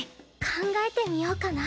考えてみようかな。